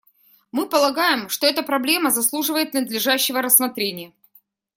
Мы полагаем, что эта проблема заслуживает надлежащего рассмотрения.